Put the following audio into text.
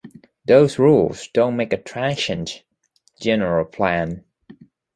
Those rules don’t make a transient, general plan.